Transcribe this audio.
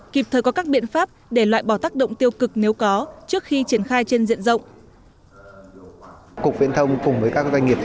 kịp thời có các biện pháp để loại bỏ tác động tiêu cực nếu có trước khi triển khai trên diện rộng